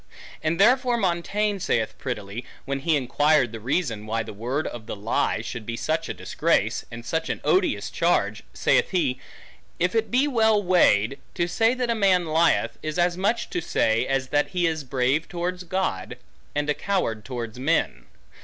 And therefore Montaigne saith prettily, when he inquired the reason, why the word of the lie should be such a disgrace, and such an odious charge? Saith he, If it be well weighed, to say that a man lieth, is as much to say, as that he is brave towards God, and a coward towards men.